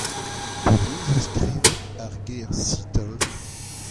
Penaos e skrivit ar ger Seattle ?